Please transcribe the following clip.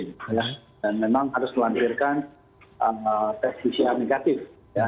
dan memang harus melampirkan tes pcr negatif